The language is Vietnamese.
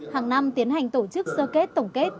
hàng năm tiến hành tổ chức sơ kết tổng kết